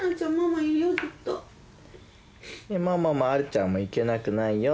ママもあるちゃんもいけなくないよ。